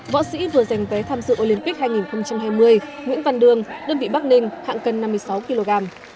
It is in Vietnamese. võ sĩ vừa giành vé tham dự olympic hai nghìn hai mươi nguyễn văn đương đơn vị bắc ninh hạng cân năm mươi sáu kg